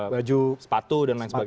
baju sepatu dan lain sebagainya